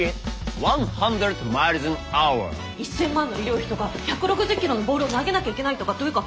１，０００万の医療費とか１６０キロのボールを投げなきゃいけないとかというか。